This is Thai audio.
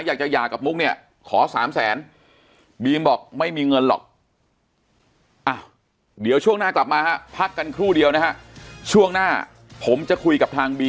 หย่ากับมุกเนี่ยขอ๓แสนบีมบอกไม่มีเงินหรอก